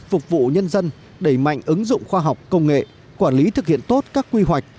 phục vụ nhân dân đẩy mạnh ứng dụng khoa học công nghệ quản lý thực hiện tốt các quy hoạch